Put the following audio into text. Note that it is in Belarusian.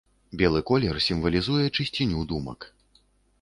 Белы колер сімвалізуе чысціню думак.